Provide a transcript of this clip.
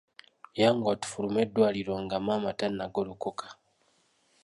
Yanguwa tufulume eddwaliro nga maama tannagolokoka.